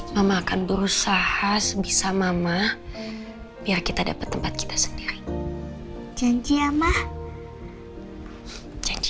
mama akan berusaha sebisa mama biar kita dapat tempat kita sendiri janji sama janji